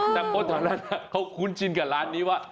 นางโบ๊ททางละน่ะเขาคุ้นชินกับร้านนี้ว่า